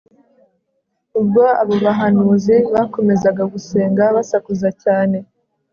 Ubwo abo bahanuzi bakomezaga gusenga basakuza cyane